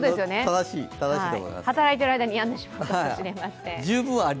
働いている間にやんでしまうかもしれません。